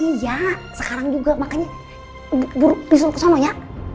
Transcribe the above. iya sekarang juga makanya disuruh ke sana ya